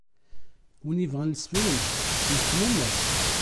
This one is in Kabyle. Wi ibɣan lesfenǧ, yefk nanna-s.